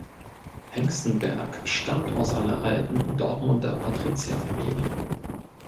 Hengstenberg stammt aus einer alten Dortmunder Patrizierfamilie.